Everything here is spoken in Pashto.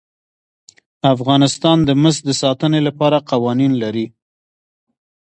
افغانستان د مس د ساتنې لپاره قوانین لري.